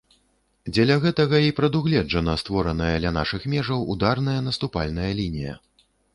Дзеля гэтага і прадугледжана створаная ля нашых межаў ударная наступальная лінія.